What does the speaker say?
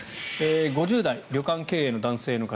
５０代、旅館経営の男性の方。